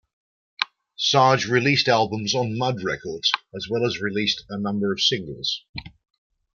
Sarge released albums on Mud Records, as well as released a number of singles.